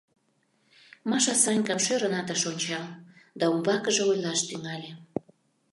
Маша Санькам шӧрынат ыш ончал да умбакыже ойлаш тӱҥале: